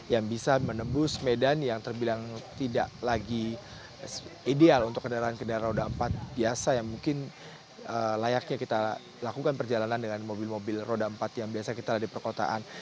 yang bisa menembus medan yang terbilang tidak lagi ideal untuk kendaraan kendaraan roda empat biasa yang mungkin layaknya kita lakukan perjalanan dengan mobil mobil roda empat yang biasa kita ada di perkotaan